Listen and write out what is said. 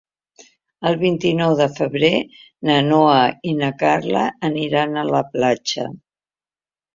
El vint-i-nou de febrer na Noa i na Carla aniran a la platja.